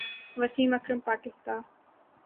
Wasim Akram Pakistan